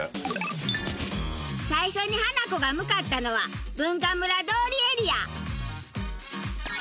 最初にハナコが向かったのは文化村通りエリア。